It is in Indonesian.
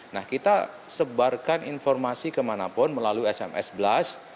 nah kita sebarkan informasi kemanapun melalui sms blast